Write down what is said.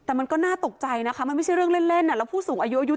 แต่มันก็น่าตกใจนะคะมันไม่ใช่เรื่องเล่นแล้วผู้สูงอายุ